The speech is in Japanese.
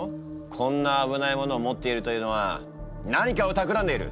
こんな危ないものを持っているというのは何かをたくらんでいる！